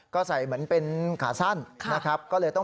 ก็ใส่เหมือนเป็นขาสั้น